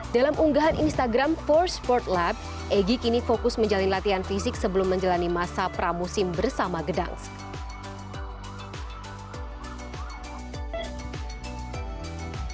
dalam unggahan instagram empat sportlab egy kini fokus menjalani latihan fisik sebelum menjalani masa pramusim bersama gedansk